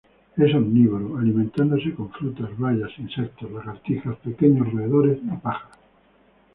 Es omnívoro, alimentándose con frutas, bayas, insectos, lagartijas, pequeños roedores y pájaros.